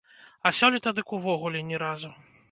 А сёлета дык увогуле ні разу.